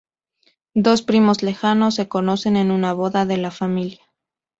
Dos primos lejanos se conocen en una boda de la familia.